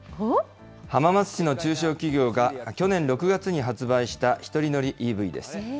浜松市の中小企業が去年６月に発売した１人乗りＥＶです。